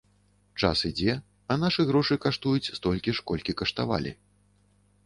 Час ідзе, а нашы грошы каштуюць столькі ж, колькі каштавалі.